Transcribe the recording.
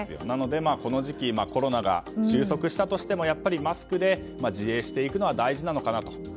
なので、この時期コロナが収束したとしてもマスクで自衛していくのは大事なのかなと。